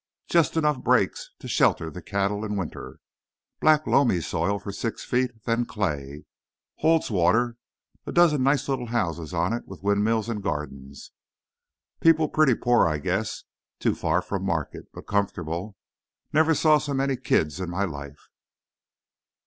Just enough brakes to shelter the cattle in winter. Black loamy soil for six feet, and then clay. Holds water. A dozen nice little houses on it, with windmills and gardens. People pretty poor, I guess—too far from market—but comfortable. Never saw so many kids in my life."